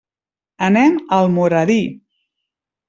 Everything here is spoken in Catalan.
Anem a Almoradí.